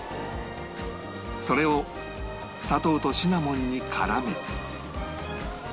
それを砂糖とシナモンに絡め